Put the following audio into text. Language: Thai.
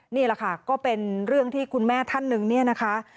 นี่แหละค่ะก็เป็นเรื่องที่คุณแม่ท่านหนึ่งเนี่ยนะคะ